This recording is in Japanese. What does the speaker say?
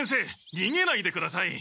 にげないでください。